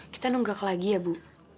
kita nunggak lagi ya bu